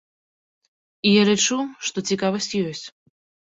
І я лічу, што цікавасць ёсць.